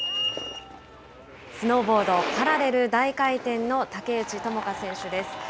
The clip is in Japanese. スノーボード、パラレル大回転の竹内智香選手です。